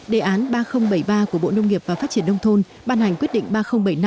đề án ba nghìn bảy mươi ba của bộ nông nghiệp và phát triển đông thôn ban hành quyết định ba nghìn bảy mươi năm